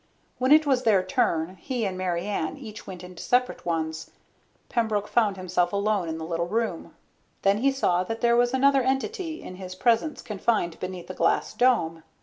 When it was their turn, he and Mary Ann each went into separate ones. Pembroke found himself alone in the little room. Then he saw that there was another entity in his presence confined beneath a glass dome.